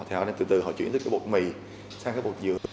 thì họ nên từ từ họ chuyển từ cái bột mì sang cái bột dược